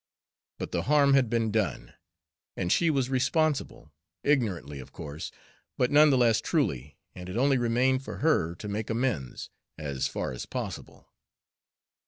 But the harm had been done, and she was responsible, ignorantly of course, but none the less truly, and it only remained for her to make amends, as far as possible.